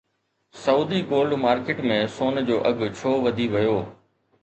Saudi gold market ۾ سون جو اگهه ڇو وڌي ويو؟